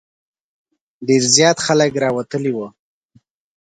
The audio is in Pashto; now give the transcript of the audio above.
ډېر زیات خلک راوتلي وو.